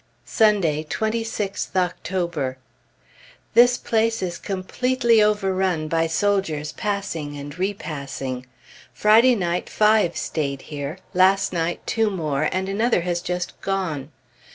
Sunday, 26th October. This place is completely overrun by soldiers passing and repassing. Friday night five stayed here, last night two more, and another has just gone.